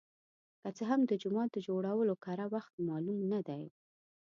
که څه هم د جومات د جوړولو کره وخت معلوم نه دی.